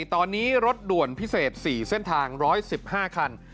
ตอนนี้รถด่วนพิเศษ๔เส้นทาง๑๑๕คัน